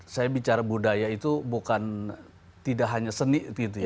saya bicara budaya itu bukan tidak hanya seni